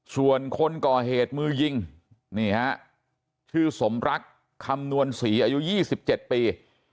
ส่วนคนก่อเหตุมือยิงนี่ฮะชื่อสมรักคำนวณศรีอายุ๒๗ปี